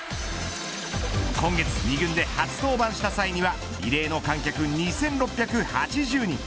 今月、二軍で初登板した際には異例の観客２６８０人。